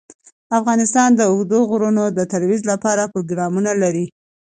افغانستان د اوږده غرونه د ترویج لپاره پروګرامونه لري.